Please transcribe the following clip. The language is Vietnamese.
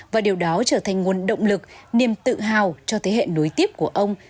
và điều đó trở thành nguồn động lực niềm tự hào cho thế hệ nối tiếp của ông